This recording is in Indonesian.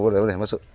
boleh boleh masuk